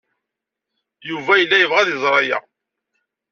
Yuba yella yebɣa ad iẓer aya.